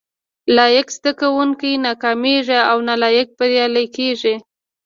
لايق زده کوونکي ناکامېږي او نالايق بريالي کېږي